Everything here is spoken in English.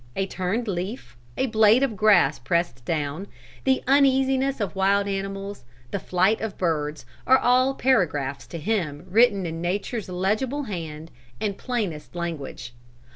A turned leaf, a blade of grass pressed down, the uneasiness of wild animals, the flight of birds, are all paragraphs to him written in nature's legible hand and plainest language.